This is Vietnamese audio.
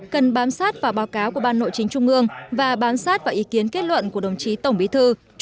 cần bám sát vào báo cáo của ban nội chính trung ương và bám sát vào ý kiến kết luận của đồng chí tổng bí thư